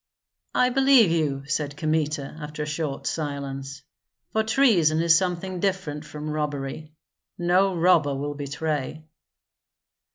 "I believe you," said Kmita, after a short silence, "for treason is something different from robbery; no robber will betray."